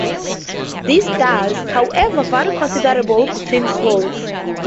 This does, however, vary considerably between schools.